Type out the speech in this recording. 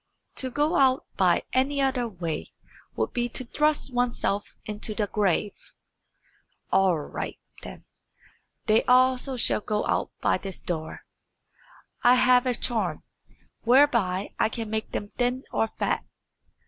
"To go out by any other way would be to thrust oneself into the grave." "All right, then; they also shall go out by this door. I have a charm, whereby I can make them thin or fat."